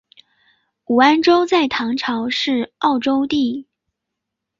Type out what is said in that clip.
武安州在唐朝是沃州地。